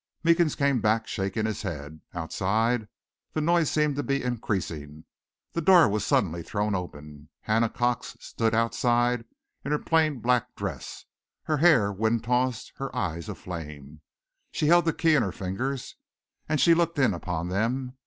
Meekins came back, shaking his head. Outside, the noise seemed to be increasing. The door was suddenly thrown open. Hannah Cox stood outside in her plain black dress, her hair wind tossed, her eyes aflame. She held the key in her fingers, and she looked in upon them.